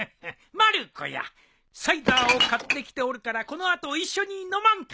まる子やサイダーを買ってきておるからこの後一緒に飲まんか。